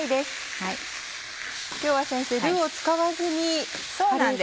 今日は先生ルーを使わずにカレー粉で。